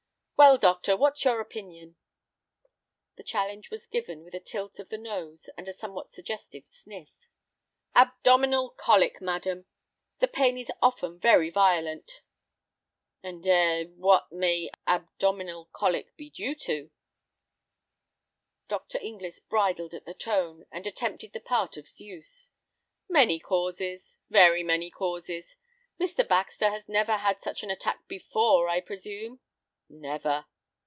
"Well, doctor, what's your opinion?" The challenge was given with a tilt of the nose and a somewhat suggestive sniff. "Abdominal colic, madam. The pain is often very violent." "Ah, eh, and what may abdominal colic be due to?" Dr. Inglis bridled at the tone, and attempted the part of Zeus. "Many causes, very many causes. Mr. Baxter has never had such an attack before, I presume." "Never."